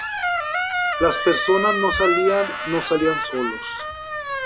Las personas no salían, no salían solos.